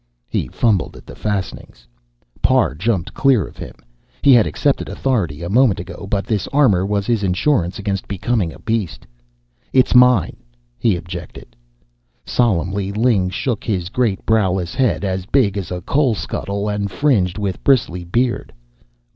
He fumbled at the fastenings. Parr jumped clear of him. He had accepted authority a moment ago, but this armor was his insurance against becoming a beast. "It's mine," he objected. Solemnly Ling shook his great browless head, as big as a coal scuttle and fringed with bristly beard.